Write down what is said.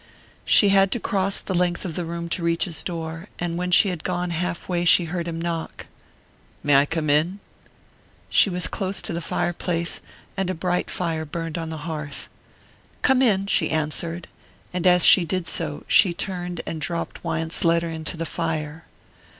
She had to cross the length of the room to reach his door, and when she had gone half way she heard him knock. "May I come in?" She was close to the fire place, and a bright fire burned on the hearth. "Come in!" she answered; and as she did so, she turned and dropped Wyant's letter into the fire.